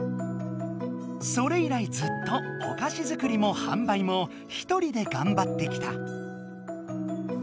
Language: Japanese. それ以来ずっとお菓子づくりも販売もひとりでがんばってきた。